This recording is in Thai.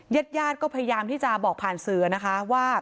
ญาติญาติก็พยายามที่จะบอกผ่านสื่อนะคะว่า